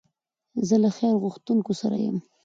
زه له خیر غوښتونکو سره یم.